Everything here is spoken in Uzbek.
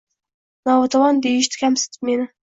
Notavon deyishdi kamsitib meni.